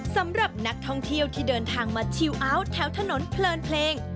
สำหรับนักท่องเที่ยวที่เดินทางมาชิลเอาท์แถวถนนเพลินเพลง